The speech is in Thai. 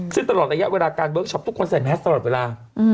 ซึ่งตลอดระยะเวลาการเวิร์คช็อปทุกคนใส่แมสตลอดเวลา